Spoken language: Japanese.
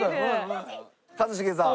一茂さん。